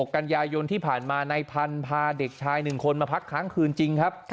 ๑๖กัญญายนที่ผ่านมาในพันธุ์พาเด็กชายหนึ่งคนมาพักครั้งคืนจริงครับ